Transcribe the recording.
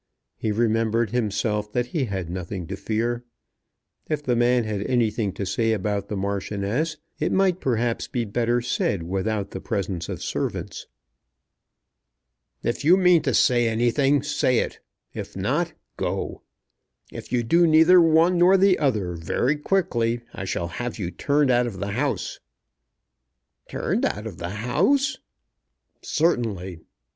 He remembered himself that he had nothing to fear. If the man had anything to say about the Marchioness it might perhaps be better said without the presence of servants. "If you mean to say anything, say it. If not, go. If you do neither one nor the other very quickly, I shall have you turned out of the house." "Turned out of the house?" "Certainly.